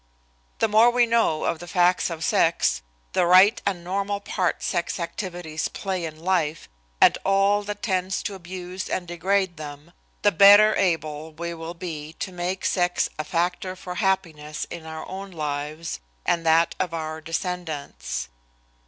The more we know of the facts of sex, the right and normal part sex activities play in life, and all that tends to abuse and degrade them, the better able we will be to make sex a factor for happiness in our own lives and that of our descendants.